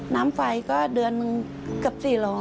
น้ำไฟก็เดือนเกือบ๔๐๐